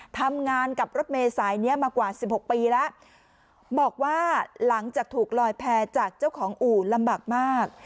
ทำงานกับรถเมษายเนี้ยมากว่าสิบหกปีแล้วบอกว่าหลังจากถูกลอยแพร่จากเจ้าของอู่ลำบากมาก